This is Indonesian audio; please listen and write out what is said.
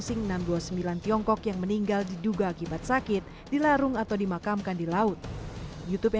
sing enam ratus dua puluh sembilan tiongkok yang meninggal diduga akibat sakit dilarung atau dimakamkan di laut youtube yang